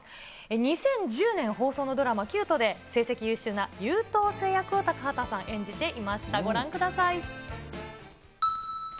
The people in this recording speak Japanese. ２０１０年放送のドラマ、Ｑ１０で成績優秀な優等生役を高畑さん、演じていました、ご覧ください。